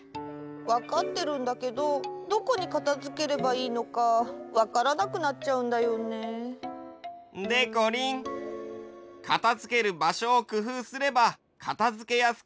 わかってるんだけどどこにかたづければいいのかわからなくなっちゃうんだよね。でこりんかたづけるばしょをくふうすればかたづけやすくなるよ。